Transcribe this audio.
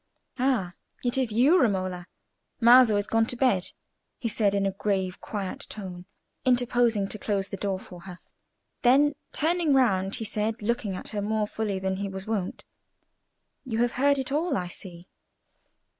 "Ah! it is you, Romola. Maso is gone to bed," he said, in a grave, quiet tone, interposing to close the door for her. Then, turning round, he said, looking at her more fully than he was wont, "You have heard it all, I see."